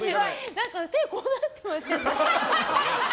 何か手がこうなってましたよね。